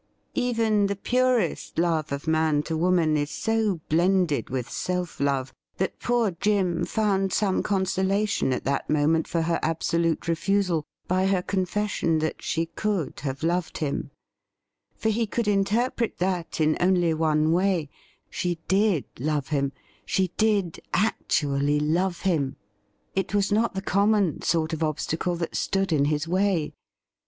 Even the purest love of man to woman is so blended with self love that poor Jim found some consolation at that moment for her absolute refusal by her confession that she could have loved him; for he could interpret that in only one way — she did love him, she did actually love him. It was not the common sort of obstacle that stood in his way.